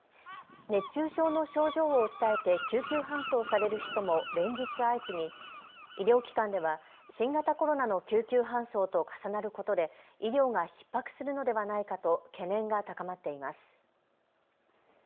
熱中症の症状を訴えて救急搬送される人も連日相次ぎ医療機関では新型コロナの救急搬送と重なることで医療がひっ迫するのではないかと懸念が高まっています。